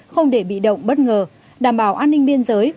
không để bị động bất ngờ đảm bảo an ninh biên giới